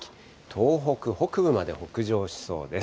東北北部まで北上しそうです。